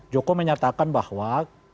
joko menyatakan bahwa